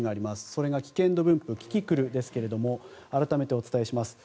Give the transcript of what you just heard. それが危険度分布キキクルですが改めてお伝えします。